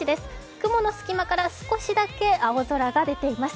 雲の隙間から少しだけ青空が出ています。